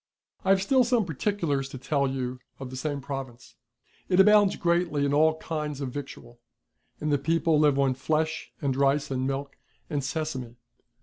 I have still some particulars to tell you of the same province. It abountls greatly in all kinds of victual; and the people live on flesh and rice and milk and sesame.